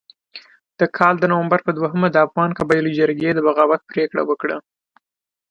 د کال د نومبر په دوهمه د افغان قبایلو جرګې د بغاوت پرېکړه وکړه.